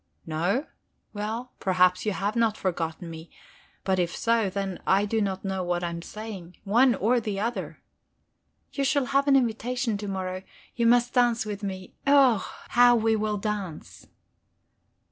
"No? Well, perhaps you have not forgotten me. But if so, then I do not know what I am saying. One or the other." "You shall have an invitation to morrow. You must dance with me. Oh, how we will dance!"